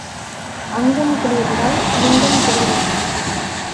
அங்கம் குளிர்ந்தால் லிங்கம் குளிரும்.